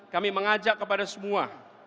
kami mengajak kepada semua